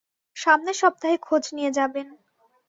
সামনের সপ্তাহে খোঁজ নিয়ে যাবেন।